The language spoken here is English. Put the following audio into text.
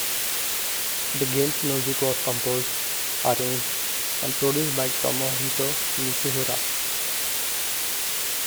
The game's music was composed, arranged, and produced by Tomohito Nishiura.